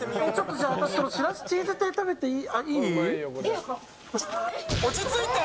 じゃあ私、しらすチーズ天食べてもいい？